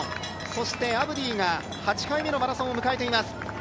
そして、アブディが８回目のマラソンを迎えています。